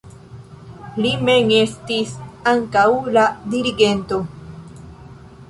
Li mem estis ankaŭ la dirigento.